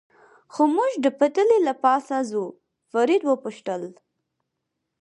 خو موږ د پټلۍ له پاسه ځو، فرید و پوښتل.